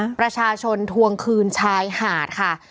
ประชาชนทวงคืนชายหาดค่ะ